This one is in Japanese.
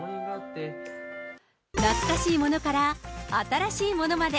懐かしいものから、新しいものまで。